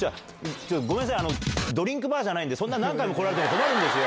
ごめんなさい、ドリンクバーじゃないんで、そんな何回も来られても困るんですよ。